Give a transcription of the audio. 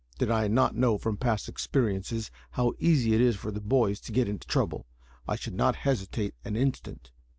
Did I not know from past experiences how easy it is for the boys to get into trouble, I should not hesitate an instant."